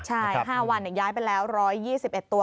ใช่๕วันย้ายไปแล้ว๑๒๑ตัว